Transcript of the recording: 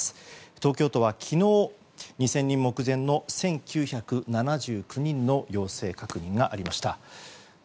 東京都は昨日２０００人目前の１９７９人の陽性確認がありました。